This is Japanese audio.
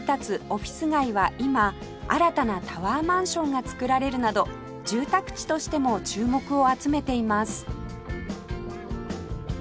オフィス街は今新たなタワーマンションが造られるなど住宅地としても注目を集めています